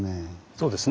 そうですね。